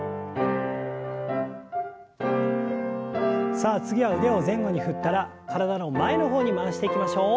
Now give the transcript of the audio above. さあ次は腕を前後に振ったら体の前の方に回していきましょう。